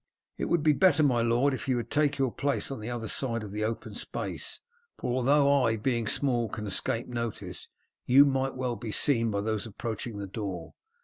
"It would be better, my lord, if you would take your place on the other side of the open space, for although I, being small, can escape notice, you might well be seen by those approaching the door.